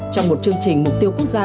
trong một chương trình mục tiêu quốc gia